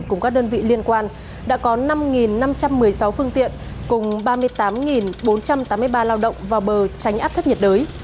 cùng các đơn vị liên quan đã có năm năm trăm một mươi sáu phương tiện cùng ba mươi tám bốn trăm tám mươi ba lao động vào bờ tránh áp thấp nhiệt đới